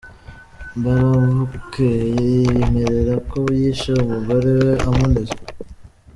Mbarubukeye yiyemerera ko yishe umugore we amunize.